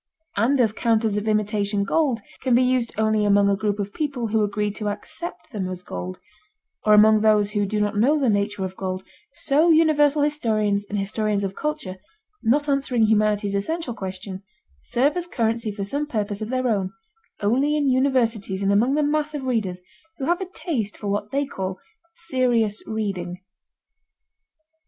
And as counters of imitation gold can be used only among a group of people who agree to accept them as gold, or among those who do not know the nature of gold, so universal historians and historians of culture, not answering humanity's essential question, serve as currency for some purposes of their own, only in universities and among the mass of readers who have a taste for what they call "serious reading."